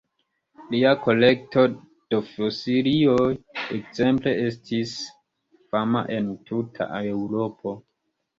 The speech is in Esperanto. Lia kolekto de fosilioj ekzemple estis fama en tuta Eŭropo.